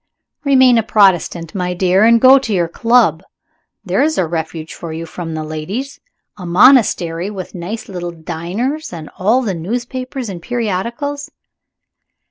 "Remain a Protestant, my dear, and go to your club. There is a refuge for you from the ladies a monastery, with nice little dinners, and all the newspapers and periodicals."